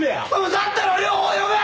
だったら両方呼べ！